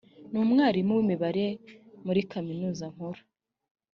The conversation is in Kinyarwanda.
ni umwarimu w’ imibare muri kaminuza nkuru